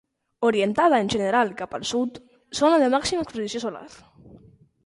Orientada en general cap al sud, zona de màxima exposició solar.